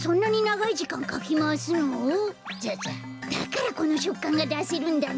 だからこのしょっかんがだせるんだね。